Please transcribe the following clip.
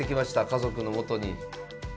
家族のもとに。